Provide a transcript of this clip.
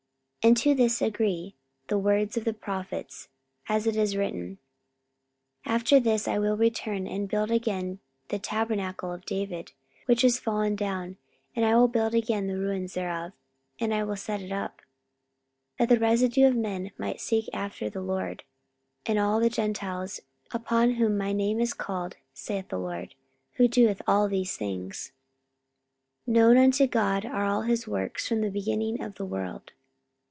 44:015:015 And to this agree the words of the prophets; as it is written, 44:015:016 After this I will return, and will build again the tabernacle of David, which is fallen down; and I will build again the ruins thereof, and I will set it up: 44:015:017 That the residue of men might seek after the Lord, and all the Gentiles, upon whom my name is called, saith the Lord, who doeth all these things. 44:015:018 Known unto God are all his works from the beginning of the world.